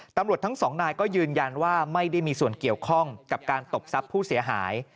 ตำรวจทั้งสองนายก็ยืนยันว่าไม่ได้มีส่วนเกี่ยวข้องกับการตบทรัพย์ผู้เสียหาย